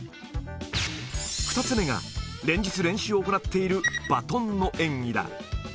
２つ目が、連日練習を行っているバトンの演技だ。